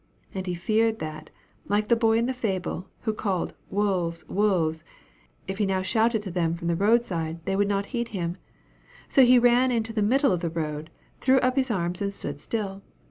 and he feared that, like the boy in the fable, who called "Wolves! wolves!" if he now shouted to them from the road side, they would not heed him. So he ran into the middle of the road, threw up his arms, and stood still.